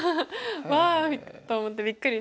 「わあ！」と思ってびっくりしました。